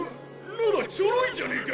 ならちょろいじゃねえか。